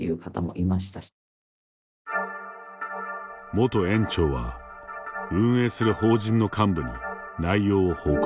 元園長は、運営する法人の幹部に内容を報告。